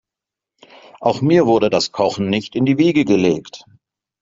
Auch mir wurde das Kochen nicht in die Wiege gelegt.